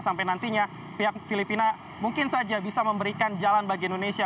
sampai nantinya pihak filipina mungkin saja bisa memberikan jalan bagi indonesia